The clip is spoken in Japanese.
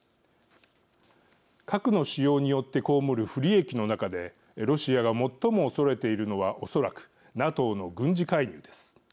核の使用によって被る不利益の中でロシアが最も恐れているのはおそらくＮＡＴＯの軍事介入です。